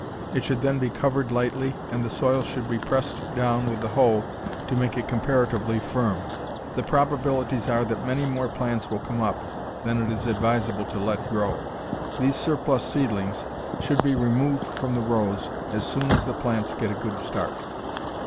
It should then be covered lightly and the soil should be pressed down with the hoe to make it comparatively firm. The probabilities are that many more plants will come up than it is advisable to let grow. These surplus seedlings should be removed from the rows as soon as the plants get a good start.